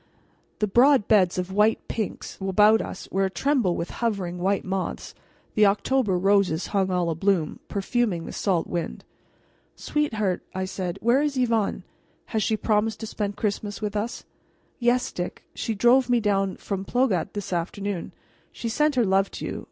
The broad beds of white pinks about us were atremble with hovering white moths; the October roses hung all abloom, perfuming the salt wind. "Sweetheart," I said, "where is Yvonne? Has she promised to spend Christmas with us?" "Yes, Dick; she drove me down from Plougat this afternoon. She sent her love to you.